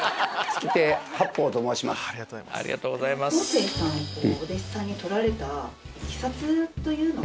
正さんをお弟子さんに取られたいきさつというのは？